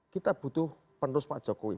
kita butuh penerus pak jokowi